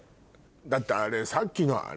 だってさっきのあれ。